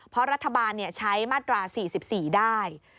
เพราะรัฐบาลใช้มาตรา๔๔ได้